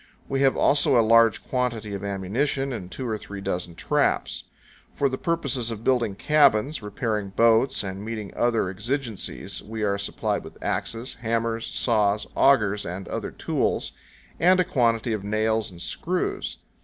We have also a large quantity of ammunition and two or three dozen traps. For the purpose of building cabins, repairing boats, and meeting other exigencies, we are supplied with axes, hammers, saws, augers, and other tools, and a quantity of nails and screws.